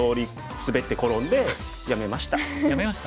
滑って転んでやめました。